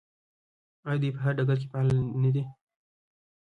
آیا دوی په هر ډګر کې فعالې نه دي؟